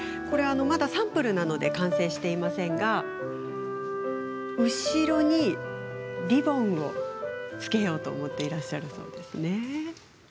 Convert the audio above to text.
まだサンプルなので完成していませんが後ろにはリボンを付けようと思っていらっしゃるんですよね。